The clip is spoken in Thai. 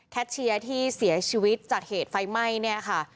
เชียร์ที่เสียชีวิตจากเหตุไฟไหม้เนี่ยค่ะ